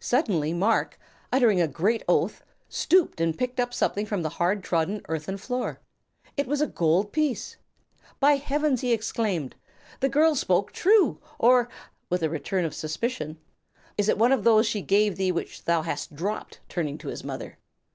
Suddenly Marc, uttering a great oath, stooped and picked up something from the hard trodden earthen floor. It was a gold piece! "By Heavens!" he exclaimed, "the girl spoke true! or" with a return of suspicion "is it one of those she gave thee which thou hast dropped?" turning to his mother.